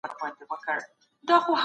ایا تاسو د دې شعر اصلي لیکوال پېژنئ؟